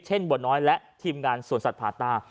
เช่นบัวน้อยและทีมงานสวนสัตว์พาตา